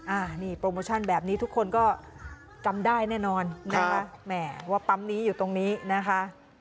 อ่านี่โปรโมชั่นแบบนี้ทุกคนก็จำได้แน่นอนนะคะแหมว่าปั๊มนี้อยู่ตรงนี้นะคะ